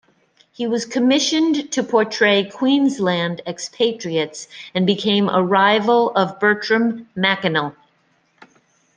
He was commissioned to portray Queensland expatriates and became a rival of Bertram Mackennal.